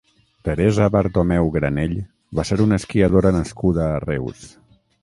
Teresa Bartomeu Granell va ser una esquiadora nascuda a Reus.